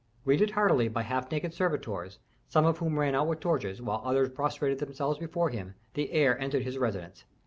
Greeted heartily by half naked servitors, some of whom ran out with torches, while others prostrated themselves before him, the heir entered his residence.